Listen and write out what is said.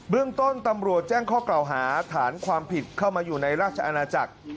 เรื่องต้นตำรวจแจ้งข้อกล่าวหาฐานความผิดเข้ามาอยู่ในราชอาณาจักร